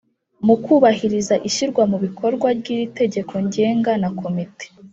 Mu kubahiriza ishyirwa mu bikorwa ry iri tegeko ngenga na komite